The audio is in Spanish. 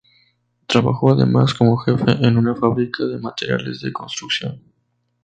Trabajó además como jefe en una fábrica de materiales de construcción.